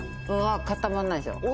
固まんないでしょ。